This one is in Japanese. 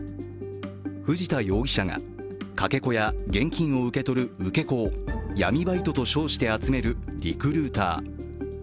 藤田容疑者がかけ子や現金を受け取る受け子を闇バイトと称して集めるリクルーター。